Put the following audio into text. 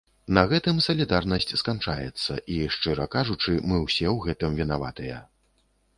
На гэтым салідарнасць сканчаецца, і, шчыра кажучы, мы ўсе ў гэтым вінаватыя.